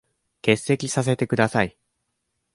欠席させて下さい。